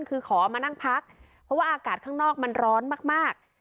คือขอมานั่งพักเพราะว่าอากาศข้างนอกมันร้อนมาก